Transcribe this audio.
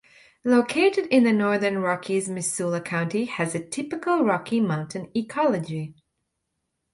Located in the Northern Rockies Missoula County has a typical Rocky Mountain ecology.